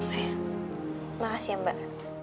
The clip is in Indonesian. eh makasih ya mbak